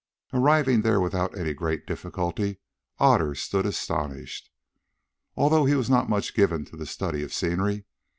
Arriving there without any great difficulty, Otter stood astonished, although he was not much given to the study of scenery.